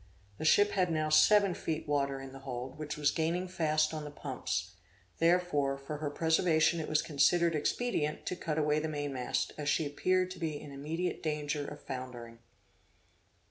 The ship had now seven feet water in the hold which was gaining fast on the pumps, therefore, for her preservation it was considered expedient to cut away the mainmast, as she appeared to be in immediate danger of foundering.